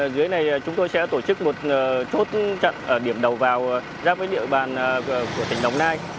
dưới này chúng tôi sẽ tổ chức một chốt điểm đầu vào giáp với địa bàn của tỉnh đồng nai